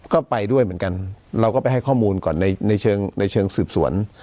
ก็ไปด้วยเหมือนกันเราก็ไปให้ข้อมูลก่อนในเชิงในเชิงสืบสวน